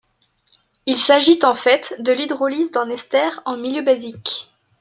Il s'agit en fait de l'hydrolyse d'un ester en milieu basique.